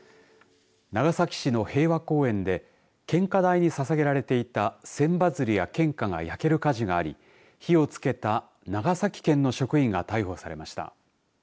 長崎市の平和公園で献花台にささげられていた千羽鶴や献花が焼ける火事があり火をつけた長崎県の職員が逮捕されました。